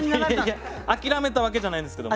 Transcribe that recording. いや諦めたわけじゃないんですけども。